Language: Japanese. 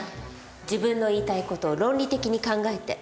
自分の言いたい事を論理的に考えて。